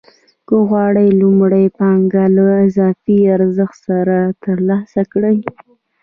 هغه غواړي لومړنۍ پانګه له اضافي ارزښت سره ترلاسه کړي